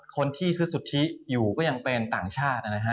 คนที่ซื้อสุทธิอยู่ก็ยังเป็นต่างชาตินะฮะ